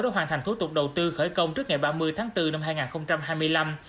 để hoàn thành thủ tục đầu tư khởi công trước ngày ba mươi tháng bốn năm hai nghìn hai mươi năm